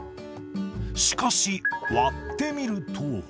しかし、割ってみると。